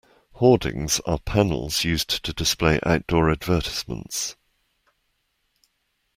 Hoardings are panels used to display outdoor advertisements